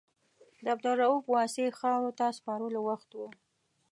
د عبدالرؤف واسعي خاورو ته سپارلو وخت و.